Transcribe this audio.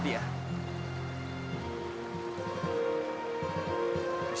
dan untuk memperoleh